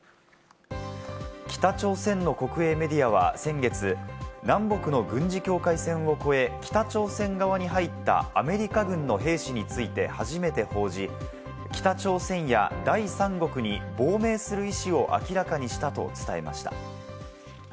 北朝鮮の国営メディアは先月、南北の軍事境界線を越え、北朝鮮側に入ったアメリカ軍の兵士について初めて報じ、北朝鮮や第三国に亡命する意思を明らかにしたと伝えました。